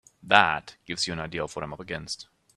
That gives you an idea of what I'm up against.